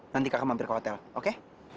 nanti kakak mampir ke hotel oke